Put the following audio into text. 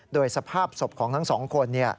โดยสภาพศพของทั้งสองคน